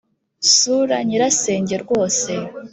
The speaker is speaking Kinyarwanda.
sura nyirasenge rwose,